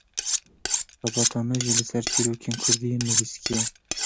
Xebata me jî li ser çîrokên kurdî yên nivîskî ye.